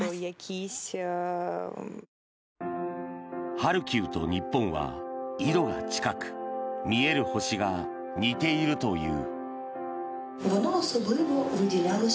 ハルキウと日本は緯度が近く見える星が似ているという。